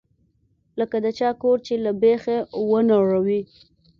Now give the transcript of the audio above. لکه د چا کور چې له بيخه ونړوې.